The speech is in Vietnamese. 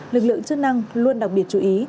lực lượng chức năng luôn đặc biệt chú ý